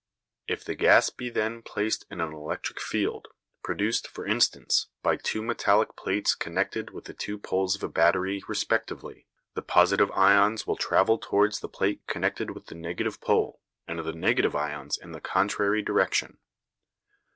If the gas be then placed in an electric field, produced, for instance, by two metallic plates connected with the two poles of a battery respectively, the positive ions will travel towards the plate connected with the negative pole, and the negative ions in the contrary direction.